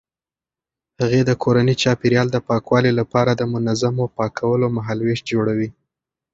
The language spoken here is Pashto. هغې د کورني چاپیریال د پاکوالي لپاره د منظمو پاکولو مهالویش جوړوي.